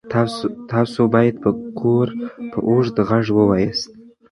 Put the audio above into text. تاسو باید ګور په اوږد غږ ووایاست.